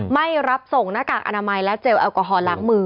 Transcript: ไม่รับส่งหน้ากากอนามัยและเจลแอลกอฮอลล้างมือ